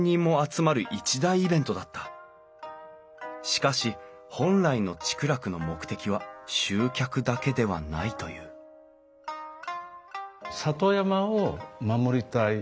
しかし本来の竹楽の目的は集客だけではないという里山を守りたい。